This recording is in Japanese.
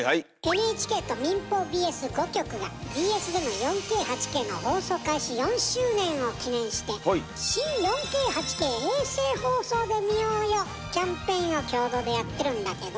ＮＨＫと民放ＢＳ５局がＢＳでの４Ｋ８Ｋの放送開始４周年を記念して「新４Ｋ８Ｋ衛星放送で見ようよ！」キャンペーンを共同でやってるんだけど。